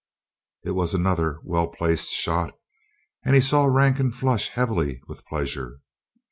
It was another well placed shot, and he saw Rankin flush heavily with pleasure.